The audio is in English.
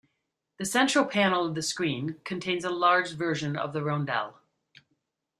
The central panel of the screen contains a large version of the roundel.